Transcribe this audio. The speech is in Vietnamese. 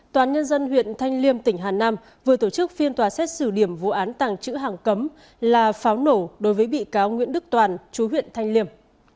toàn nhân dân huyện thanh liêm tỉnh hà nam vừa tổ chức phiên tòa xét xử điểm vụ án tàng trữ hàng cấm là pháo nổ đối với bị cáo nguyễn đức toàn chú huyện thanh liêm